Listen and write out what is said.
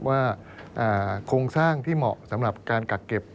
โครงสร้างที่เหมาะสำหรับการกักเก็บ